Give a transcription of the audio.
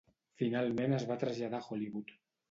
Finalment es va traslladar a Hollywood.